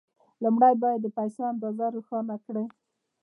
لومړی باید د پيسو اندازه روښانه کړئ.